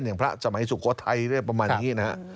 อย่างพระสมัยสุโขทัยเรียบประมาณนี้นะ